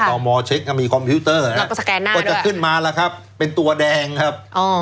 ตมเช็คมีคอมพิวเตอร์ก็จะขึ้นมาแล้วครับเป็นตัวแดงครับ